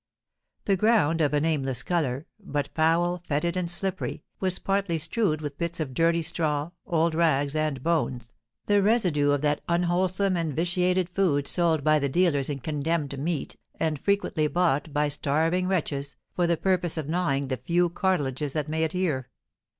The ground, of a nameless colour, but foul, fetid, and slippery, was partly strewed with bits of dirty straw, old rags, and bones, the residue of that unwholesome and vitiated food sold by the dealers in condemned meat, and frequently bought by starving wretches, for the purpose of gnawing the few cartilages that may adhere.